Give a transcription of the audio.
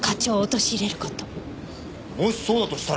もしそうだとしたら。